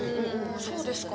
そうですか？